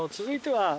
続いては。